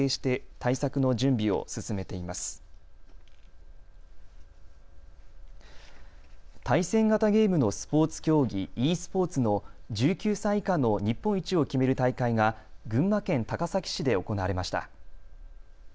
対戦型ゲームのスポーツ競技、ｅスポーツの１９歳以下の日本一を決める大会が群馬県高崎市で行われました。